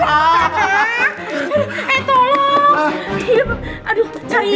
aduh cari ida dulu